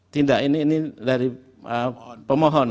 tidak ini dari pemohon